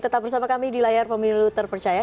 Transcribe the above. tetap bersama kami di layar pemilu terpercaya